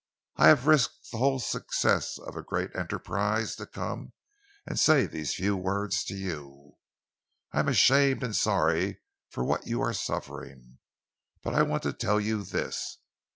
I have risked the whole success of a great enterprise to come and say these few words to you. I am ashamed and sorry for what you are suffering, but I want to tell you this.